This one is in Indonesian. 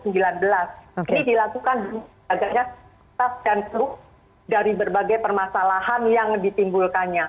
ini dilakukan sebagai staf dan truk dari berbagai permasalahan yang ditimbulkannya